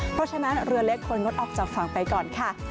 เพราะฉะนั้นเรือเล็กควรงดออกจากฝั่งไปก่อนค่ะ